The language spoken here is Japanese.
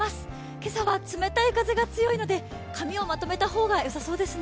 今朝は冷たい風が強いので髪をまとめた方がよさそうですね。